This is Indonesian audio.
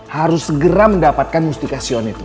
harus segera mendapatkan mustikasion itu